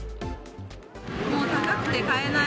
もう高くて買えない。